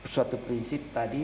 suatu prinsip tadi